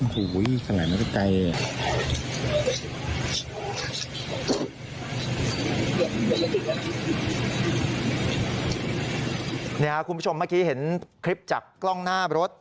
คุณผู้ชมเมื่อกี้เห็นคลิปจากกล้องหน้ารถ